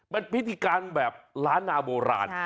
มันพิธีการแบบล้านนาโบราณ